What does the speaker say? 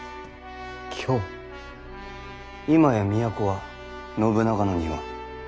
今や都は信長の庭。